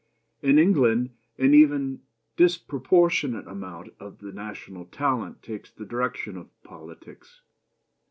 In England an even disproportionate amount of the national talent takes the direction of politics.